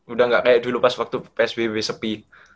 udah gak kayak dulu pas waktu psbb sepi